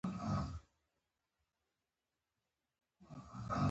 پاچا هېڅکله ځان نه ملامتوي .